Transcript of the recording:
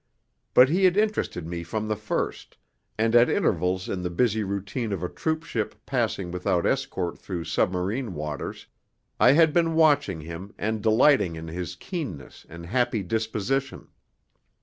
But he had interested me from the first, and at intervals in the busy routine of a troopship passing without escort through submarine waters, I had been watching him and delighting in his keenness and happy disposition.